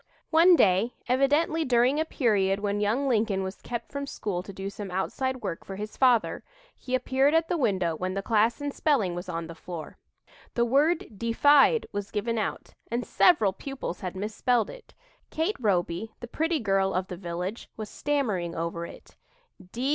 One day, evidently during a period when young Lincoln was kept from school to do some outside work for his father, he appeared at the window when the class in spelling was on the floor. The word "defied" was given out and several pupils had misspelled it. Kate Roby, the pretty girl of the village, was stammering over it.